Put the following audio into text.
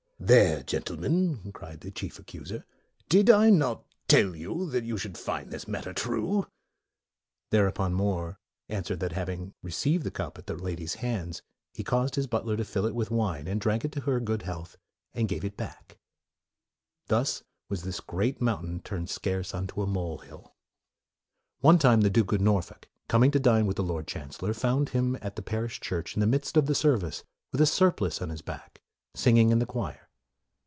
" There, gentlemen," cried the chief accuser, " did I not tell you that you should find this matter true?' There upon More answered that having received the cup at the lady's hands, he caused his butler to fill it with wine, and drank to her good health, and gave it back. " Thus was this great mountain turned scarce unto a mole hill." One time, the Duke of Norfolk, coming to dine with the Lord Chancellor, found him at the parish church in the midst of the service, with a surplice on his back, singing in the choir.